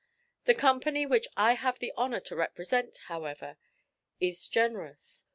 The Company which I have the honour to represent, however, is generous.